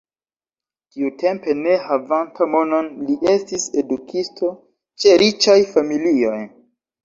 Tiutempe ne havanta monon li estis edukisto ĉe riĉaj familioj.